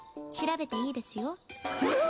調べていいですよ。